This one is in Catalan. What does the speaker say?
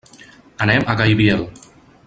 Anem a Gaibiel.